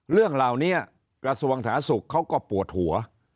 เรื่องเหล่านี้กระทรวงฐาศุกร์เขาก็ปวดหัว